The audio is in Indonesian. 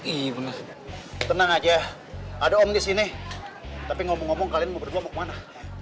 iya bang tenang aja ada om disini tapi ngomong ngomong kalian berdua mau kemana